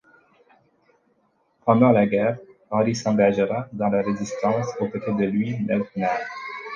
Pendant la guerre, Henri s'engagera dans la Résistance aux côtés de Louis Neltner.